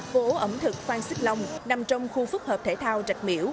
phố ẩm thực phan xích long nằm trong khu phức hợp thể thao trạch miễu